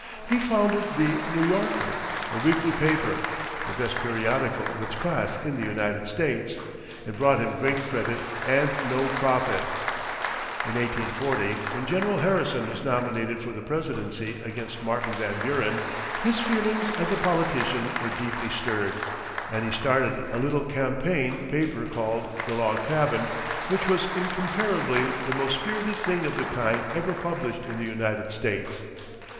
He founded the "New Yorker," a weekly paper, the best periodical of its class in the United States. It brought him great credit and no profit. In 1840, when General Harrison was nominated for the presidency against Martin Van Buren, his feelings as a politician were deeply stirred, and he started a little campaign paper called "The Log Cabin," which was incomparably the most spirited thing of the kind ever published in the United States.